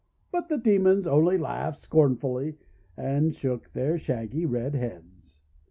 But the Demons only laughed scornfully and shook their shaggy red heads.